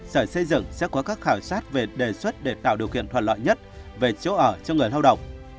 sở xây dựng sẽ có các khảo sát về đề xuất để tạo điều kiện thuận lợi nhất về chỗ ở cho người lao động